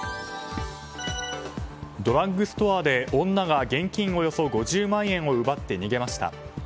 ドラッグストアで女が現金およそ５０万円を奪って逃げました。